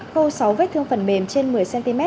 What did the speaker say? khâu sáu vết thương phần mềm trên một mươi cm